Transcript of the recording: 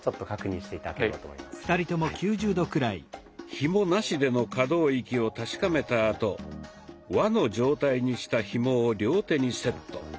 ひも無しでの可動域を確かめたあと輪の状態にしたひもを両手にセット。